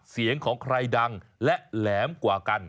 เสียงของใครดังและแหลมกว่ากัน